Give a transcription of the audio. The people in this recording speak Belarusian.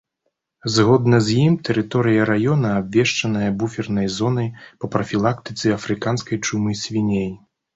Згодна з ім тэрыторыя раёна абвешчаная буфернай зонай па прафілактыцы афрыканскай чумы свіней.